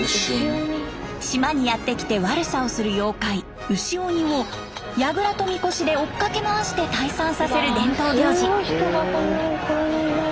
島にやって来て悪さをする妖怪牛鬼をやぐらとみこしで追っかけ回して退散させる伝統行事。